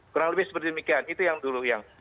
kurang lebih seperti demikian itu yang dulu yang